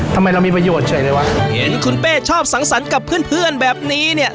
ทำไมเรามีประโยชน์เฉยเลยวะเห็นคุณเป้ชอบสังสรรค์กับเพื่อนเพื่อนแบบนี้เนี่ย